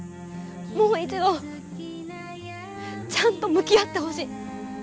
もう一度ちゃんと向き合ってほしい。